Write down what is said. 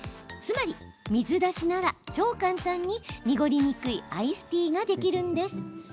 つまり水出しなら超簡単に濁りにくいアイスティーができるんです。